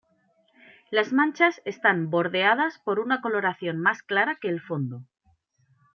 Las manchas están bordeadas por una coloración más clara que el fondo.